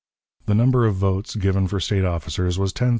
The number of votes given for State officers was 10,270.